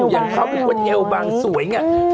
อย่างเขาเป็นคนแยวบางสวยไง